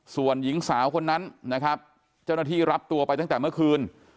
ส่วนหญิงสาวคนนั้นนะครับเจ้าหน้าที่รับตัวไปตั้งแต่เมื่อคืน